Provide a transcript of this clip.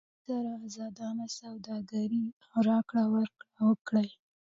له چین سره ازادانه سوداګري او راکړه ورکړه وکړئ.